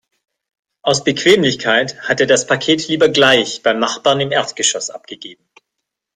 Aus Bequemlichkeit hat er das Paket lieber gleich beim Nachbarn im Erdgeschoss abgegeben.